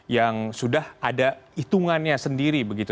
yang sudah ada hitungannya sendiri begitu